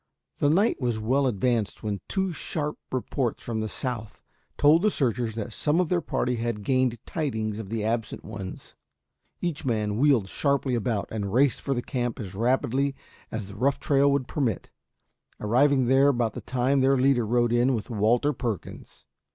The night was well advanced when two sharp reports from the south told the searchers that some of their party had gained tidings of the absent ones. Each man wheeled sharply about and raced for the camp as rapidly as the rough trail would permit, arriving there about the time their leader rode in with Walter Perkins.